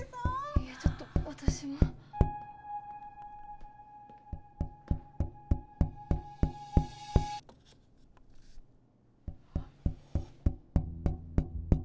いやちょっと私も。はっ。